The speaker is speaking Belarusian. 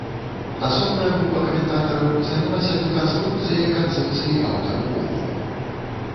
Асобная група каментатараў занялася дэканструкцыяй канцэпцыі аўтараў помніку.